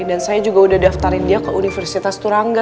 dan saya juga udah daftarin dia ke universitas turangga